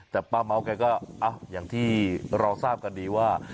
แต่ป้าเม้าแกก็อย่างที่เราทราบกันดีว่า